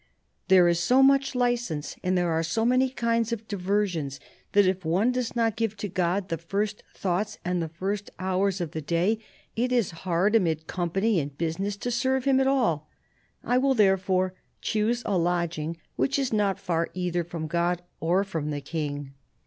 " There is so much licence and there are so many kinds of diversions, that if one does not give to God the first thoughts and the first hours of the day, it is hard, amid company and business, to serve Him at all ... I will therefore choose a lodging which is not far either from God or from the King."